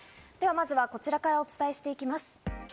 今日は、まずこちらからお伝えしていきます。